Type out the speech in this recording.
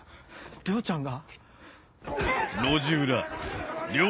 涼ちゃんが？